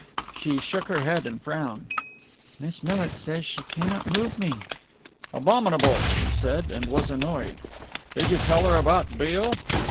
She shook her head and frowned. "Miss Millit says she cannot move me." "Abominable," he said, and was annoyed. "Did you tell her about Beale?"